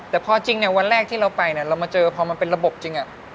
แต่พอจริงเนี่ยวันแรกที่เราไปเรามาเจอพอมันเป็นระบบจริง